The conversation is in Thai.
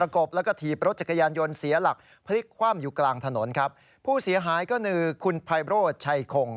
ความอยู่กลางถนนครับผู้เสียหายก็นือคุณพายโบรสชัยคง